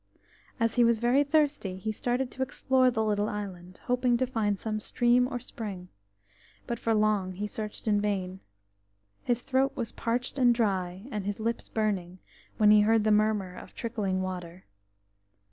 As he was very thirsty, he started to explore the little island, hoping to find some stream or spring, but for long he searched in vain. His throat was parched and dry, and his lips burning, when he heard the murmur of trickling water.